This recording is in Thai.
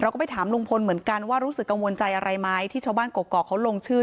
ก็ไปถามลุงพลเหมือนกันว่ารู้สึกกังวลใจอะไรไหมที่ชาวบ้านกรกเขาลงชื่อ